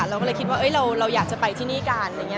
เราก็เลยคิดว่าเราอยากจะไปที่นี่กันอะไรอย่างนี้